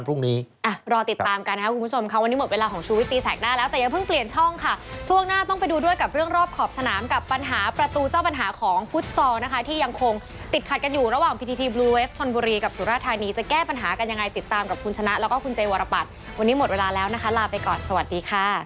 โปรดติดตามตอนต่อไป